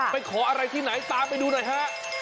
ไปขออะไรที่ไหนตามไปดูหน่อยฮะ